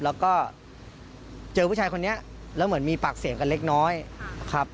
แล้วก็เจอผู้ชายคนนี้แล้วเหมือนมีปากเสียงกันเล็กน้อยครับ